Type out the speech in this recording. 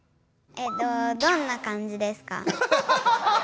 えとどんな感じですか？